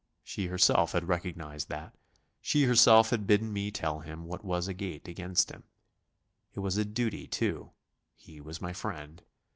She herself had recognised that; she herself had bidden me tell him what was a gate against him. It was a duty too; he was my friend.